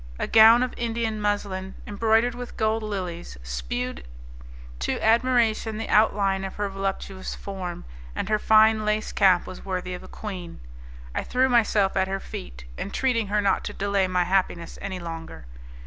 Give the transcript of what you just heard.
A gown of Indian muslin, embroidered with gold lilies, shewed to admiration the outline of her voluptuous form, and her fine lace cap was worthy of a queen. I threw myself at her feet, entreating her not to delay my happiness any longer.